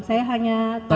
saya hanya tahu